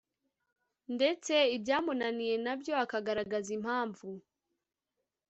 ndetse ibyamunaniye nabyo akagaragaza impamvu